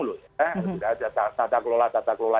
loh ya tidak ada tata kelola